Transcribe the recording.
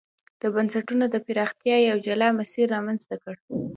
د بنسټونو د پراختیا یو جلا مسیر رامنځته کړ.